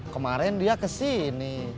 kemaren dia kesini